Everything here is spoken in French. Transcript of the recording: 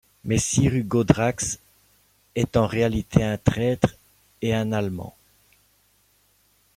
Mais Sir Hugo Drax est en réalité un traître, et un Allemand.